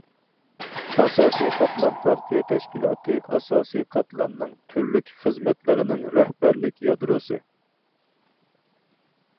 ئاساسىي قاتلام پارتىيە تەشكىلاتى ئاساسىي قاتلامنىڭ تۈرلۈك خىزمەتلىرىنىڭ رەھبەرلىك يادروسى.